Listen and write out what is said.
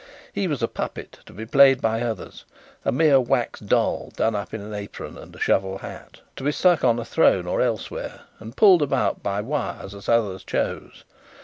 He was a puppet to be played by others; a mere wax doll, done up in an apron and a shovel hat, to be stuck on a throne or elsewhere and pulled about by wires as others chose.